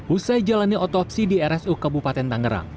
usai jalannya otopsi di rsu kabupaten tangerang